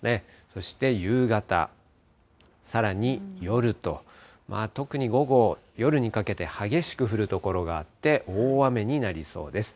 そして夕方、さらに夜と、特に午後、夜にかけて激しく降る所があって、大雨になりそうです。